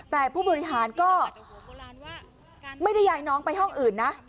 แต่ผู้บริหารก็ไม่ได้ย้ายน้องไปห้องอื่นนะ